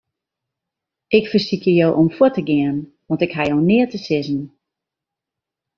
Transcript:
Ik fersykje jo om fuort te gean, want ik haw jo neat te sizzen.